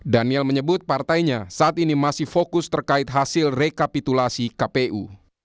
daniel menyebut partainya saat ini masih fokus terkait hasil rekapitulasi kpu